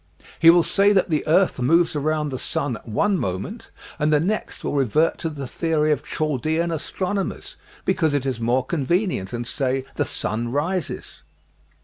^ He will say that the earth moves around the sun one moment, and the next will revert to the theory of Chaldean astronomers, because it is more convenient, and say " the sun rises."